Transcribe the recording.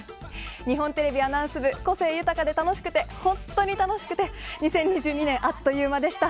日本テレビアナウンス部個性豊かで楽しくて本当に楽しくて２０２２年、あっという間でした。